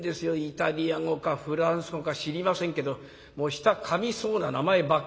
イタリア語かフランス語か知りませんけど舌かみそうな名前ばっかり。